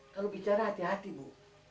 kalau bicara hati hati bu